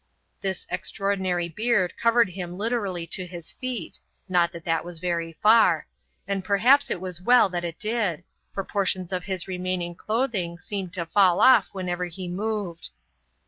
This extraordinary beard covered him literally to his feet (not that that was very far), and perhaps it was as well that it did, for portions of his remaining clothing seemed to fall off whenever he moved.